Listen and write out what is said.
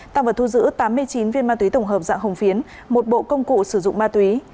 tăng vật thu giữ tám mươi chín viên ma túy tổng hợp dạng hồng phiến một bộ công cụ sử dụng ma túy